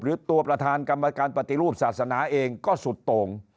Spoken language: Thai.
หรือตัวประธานกรรมการปฏิรูปศาสนาเองก็สุดโต่ง